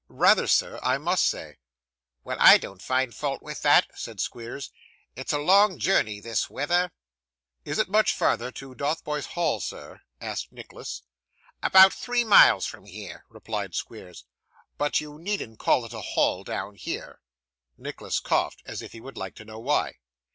'Rather, sir, I must say.' 'Well, I don't find fault with that,' said Squeers; 'it's a long journey this weather.' 'Is it much farther to Dotheboys Hall, sir?' asked Nicholas. 'About three mile from here,' replied Squeers. 'But you needn't call it a Hall down here.' Nicholas coughed, as if he would like to know why.